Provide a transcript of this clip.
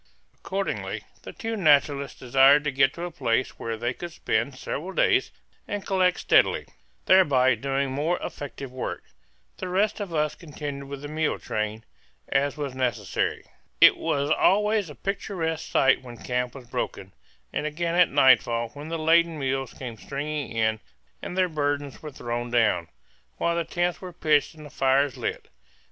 Accordingly, the two naturalists desired to get to a place where they could spend several days and collect steadily, thereby doing more effective work. The rest of us continued with the mule train, as was necessary. It was always a picturesque sight when camp was broken, and again at nightfall when the laden mules came stringing in and their burdens were thrown down, while the tents were pitched and the fires lit.